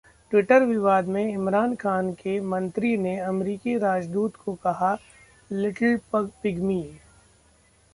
Twitter विवाद में इमरान खान के मंत्री ने अमेरिकी राजदूत को कहा 'लिटिल पिग्मी'